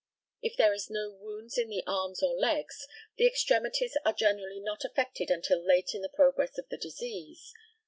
If there is no wounds in the arms or legs, the extremities are generally not affected until late in the progress of the disease.